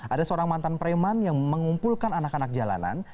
ada seorang mantan preman yang mengumpulkan anak anak jalanan